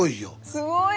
すごい！